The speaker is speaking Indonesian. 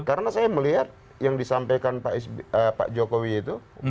karena saya melihat yang disampaikan pak jokowi itu